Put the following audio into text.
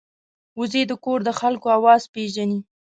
وزې د کور د خلکو آواز پېژني